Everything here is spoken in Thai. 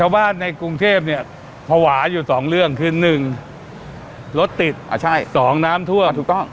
ภาวะอยู่สองเรื่องคือหนึ่งรถติดอ่าใช่สองน้ำท่วมถูกต้อง